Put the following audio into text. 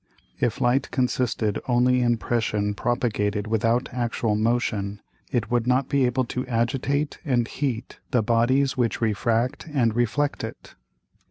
If Light consisted only in Pression propagated without actual Motion, it would not be able to agitate and heat the Bodies which refract and reflect it.